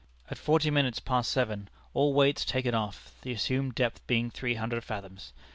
At forty minutes past seven all weights taken off, the assumed depth being three hundred fathoms.